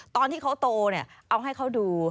ตอนที่เขาโตเนี่ยเอาให้เขาดู